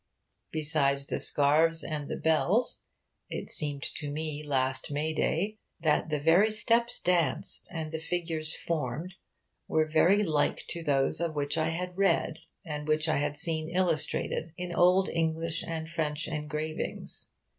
Besides the scarves and the bells, it seemed to me last May day that the very steps danced and figures formed were very like to those of which I had read, and which I had seen illustrated in old English and French engravings.